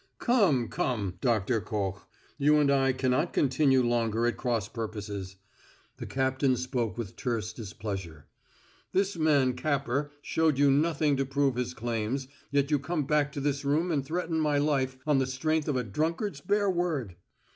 "Come come, Doctor Koch; you and I can not continue longer at cross purposes." The captain spoke with terse displeasure. "This man Capper showed you nothing to prove his claims, yet you come back to this room and threaten my life on the strength of a drunkard's bare word.